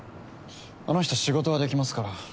あの人仕事はできますから。